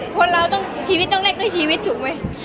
คนเราต้องชีวิตต้องเล็กด้วยชีวิตถูกไหม